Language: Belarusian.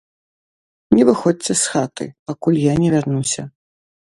Не выходзьце з хаты, пакуль я не вярнуся.